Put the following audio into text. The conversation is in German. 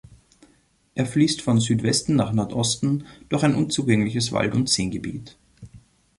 Er fließt von Südwesten nach Nordosten durch ein unzugängliches Wald- und Seengebiet.